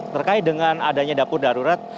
terkait dengan adanya dapur darurat